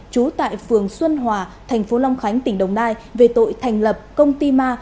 trú tại phường xuân hòa tp long khánh tỉnh đồng nai về tội thành lập công ty ma